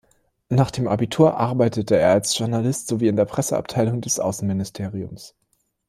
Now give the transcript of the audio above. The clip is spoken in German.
Nach dem Abitur arbeitete er als Journalist sowie in der Presseabteilung des Außenministeriums.